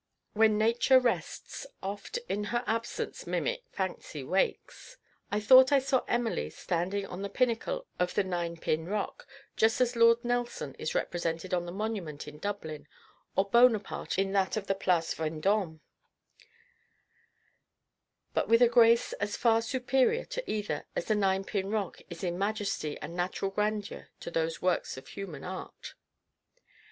"When nature rests, Oft, in her absence, mimic fancy wakes." I thought I saw Emily standing on the pinnacle of the Nine Pin Rock, just as Lord Nelson is represented on the monument in Dublin, or Bonaparte in that of the Place Vendome; but with a grace as far superior to either, as the Nine Pin Rock is in majesty and natural grandeur to those works of human art.